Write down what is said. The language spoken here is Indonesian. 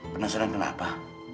penasaran dengan apa